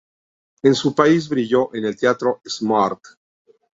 En su país brilló en el Teatro Smart.